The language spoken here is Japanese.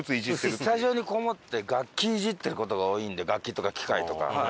スタジオにこもって楽器いじってる事が多いんで楽器とか機械とか。